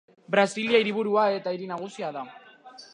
Brasilia hiriburua eta hiri nagusia da.